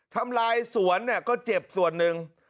ทำลายสวนก็เจ็บส่วนหนึ่ง